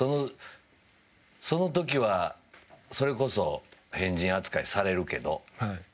その時はそれこそ変人扱いされるけど。